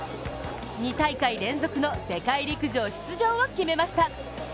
２大会連続の世界陸上出場を決めました。